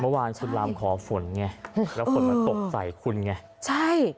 เมื่อวานสุดลามขอฝนเนี้ยเราคนตกใส่ขุนไงใช่